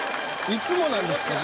いつもなんですか？